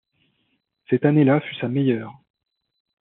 Cette année-là fut sa meilleure.